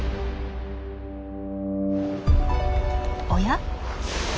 おや？